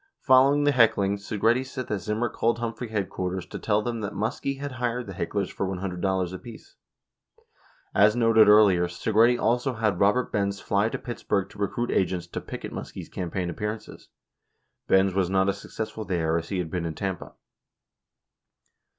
Following the heckling Segretti said that Zimmer called Humphrey headquarters to tell them that Muskie had hired the hecklers for $100 apiece. 21 As noted earlier, Segretti also had Robert Benz fly to Pittsburgh to recruit agents to picket Muskie's campaign appearances. Benz was not as successful there as he had been in Tampa.